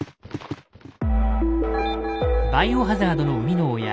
「バイオハザード」の生みの親